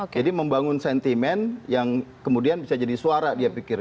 jadi membangun sentimen yang kemudian bisa jadi suara dia pikir